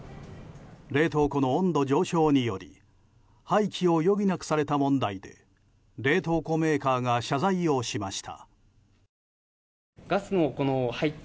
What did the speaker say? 冷凍庫の温度上昇により廃棄を余儀なくされた問題で冷凍庫メーカーが謝罪をしました。